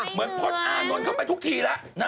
เหมือนพฤษอานนนเข้าไปทุกทีละ